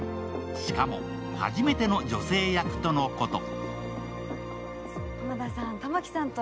しかも、初めての女性役とのこと。